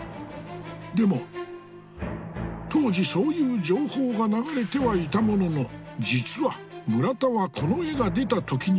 でも当時そういう情報が流れてはいたものの実は村田はこの絵が出た時にはまだ死んでいなかったんだ。